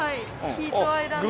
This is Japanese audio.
ヒートアイランド現象。